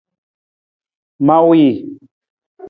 Mawii.